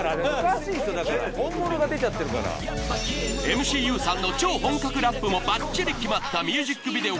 ＭＣＵさんの超本格ラップもバッチリ決まったミュージックビデオ